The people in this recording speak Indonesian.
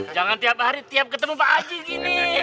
jangan tiap hari ketemu pak haji gini